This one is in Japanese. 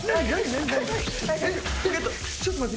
ちょっと待って。